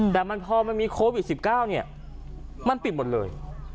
แต่พอมันมีโควิด๑๙เนี่ยมันปิดหมดเลย